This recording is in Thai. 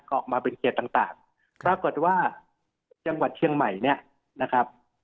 ออกมาเป็นเขตต่างปรากฏว่าจังหวัดเชียงใหม่เนี่ยนะครับ